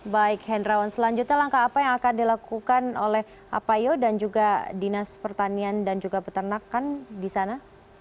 baik hendrawan selanjutnya langkah apa yang akan dilakukan oleh apayo dan juga dinas pertanian dan juga peternakan di sana